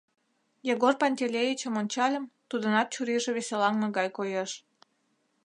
Егор Пантелеичым ончальым, тудынат чурийже веселаҥме гай коеш.